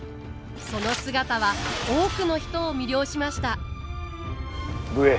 その姿は多くの人を魅了しました武衛。